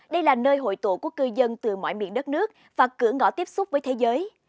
đây là nơi hội tụ của cư dân từ mọi miền đất nước và cửa ngõ tiếp xúc với thế giới